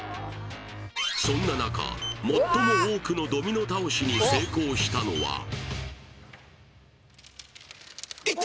そんな中最も多くのドミノ倒しに成功したのはいった！